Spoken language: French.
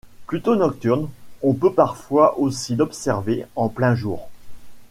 Plutôt nocturne, on peut parfois aussi l'observer en plein jour.